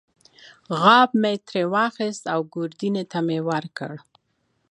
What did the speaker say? غاب مې ترې واخیست او ګوردیني ته مې ورکړ.